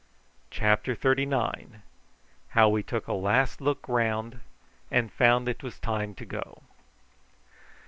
CHAPTER THIRTY NINE. HOW WE TOOK A LAST LOOK ROUND, AND FOUND IT WAS TIME TO GO.